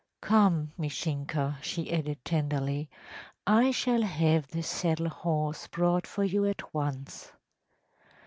Come, Mishinka,‚ÄĚ she added, tenderly; “I shall have the saddle horse brought for you at once.